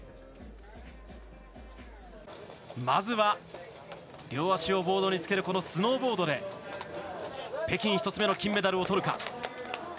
まずは両足をボードにつける、このスノーボードで北京１つ目の金メダルを取るか。